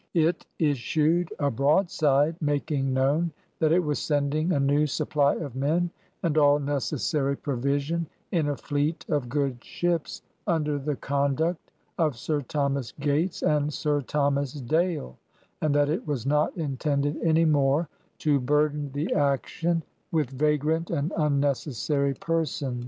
It issued a broadside, making known that it was sending a new supply of men and all necessary provision in a fleet of good ships, imder the con duct of Sir Thomas Gates and Sir Thomas Dale, and that it was not intended any more to burden the action with '^vagrant and unnecessary persons ,♦ v« 1 '•.